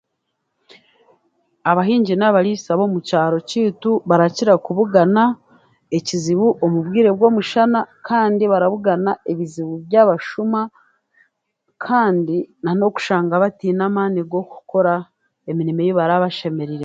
Abahingi n'abariisa b'omukyaro kyaitu barakira kubugana ekizibu omu bwire bw'omushana, kandi barabugana ebizibu by'abashuma, kandi n'okushanga bataine maani g'okukora emirimo ei baraaba bashemereire.